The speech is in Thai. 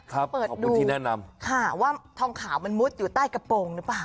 ขอบคุณที่แนะนำค่ะว่าทองขาวมันมุดอยู่ใต้กระโปรงหรือเปล่า